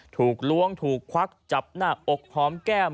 ถูกล้วงถูกควักจับหน้าอกหอมแก้ม